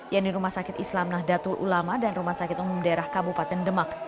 yaitu rumah sakit islam nahdlatul ulama dan rumah sakit umum daerah kabupaten demak